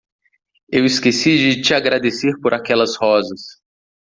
Eu esqueci de te agradecer por aquelas rosas.